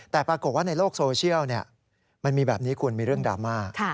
แต่ปรากฏว่าในโลกโซเชียลมันมีแบบนี้คุณมีเรื่องดราม่า